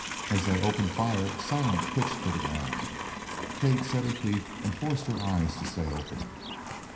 As they opened fire Silent pitched to the ground. Kate set her teeth and forced her eyes to stay open.